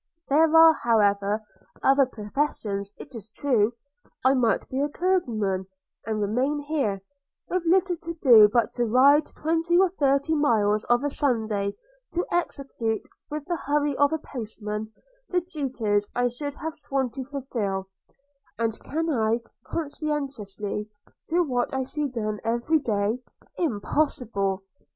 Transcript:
– There are, however, other professions, it is true – I might be a clergyman, and remain here, with little to do but to ride twenty or thirty miles of a Sunday, to execute, with the hurry of a postman, the duties I should have sworn to fulfil: and can I conscientiously do what I see done every day? Impossible!